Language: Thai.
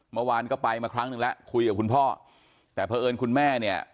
เมื่อวานก็ไปมาครั้งหนึ่งแล้วคุยกับคุณพ่อแต่เพราะเอิญคุณแม่เนี่ย